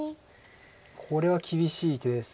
これは厳しい手です。